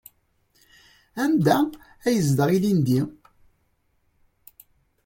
Anda ay yezdeɣ ilindi?